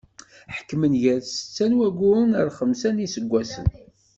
Ḥekmen gar setta n wagguren ar xemsa n yiseggasen.